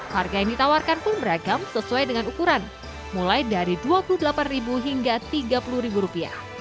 harga yang ditawarkan pun beragam sesuai dengan ukuran mulai dari rp dua puluh delapan hingga rp tiga puluh